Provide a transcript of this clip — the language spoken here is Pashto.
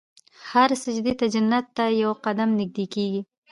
هر سجدې ته جنت ته یو قدم نژدې کېږي.